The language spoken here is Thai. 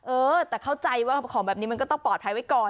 เออแต่เข้าใจว่าของแบบนี้มันก็ต้องปลอดภัยไว้ก่อน